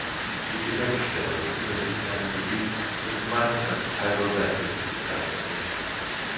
Die Gedenkstelle befindet sich in einem Gebiet, das gemeinhin als Tidal Bassin bezeichnet wird.